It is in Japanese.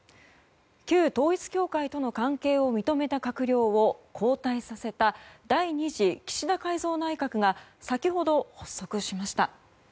旧統一教会との関係を認めた閣僚を交代させた第２次岸田改造内閣が先ほど発足しました。